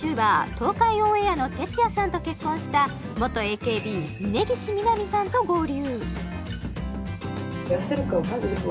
東海オンエアのてつやさんと結婚した元ＡＫＢ峯岸みなみさんと合流